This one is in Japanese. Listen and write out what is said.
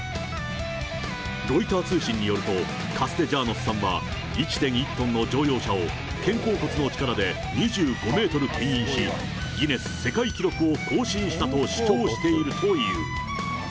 ロイター通信によると、カステジャーノスさんは、１．１トンの乗用車を、肩甲骨の力で２５メートルけん引し、ギネス世界記録を更新したと主張しているという。